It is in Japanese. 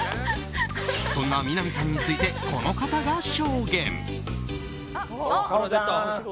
そんな南さんについてこの方が証言。